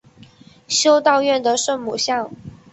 修道院的圣母像。